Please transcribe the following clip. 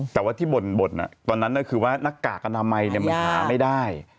แต่ว่าที่บ่นบ่นตอนนั้นคือว่านักกากกระดามัยเหมือนหาไม่ได้